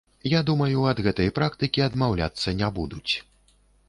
Я думаю, ад гэтай практыкі адмаўляцца не будуць.